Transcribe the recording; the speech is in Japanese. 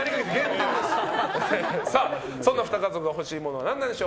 そんな２家族が欲しいものは何でしょう。